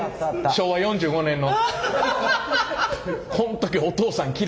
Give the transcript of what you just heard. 昭和４５年の。